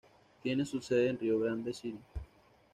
Tiene su sede en Rio Grande City.